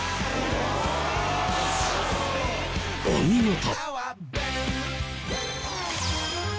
お見事！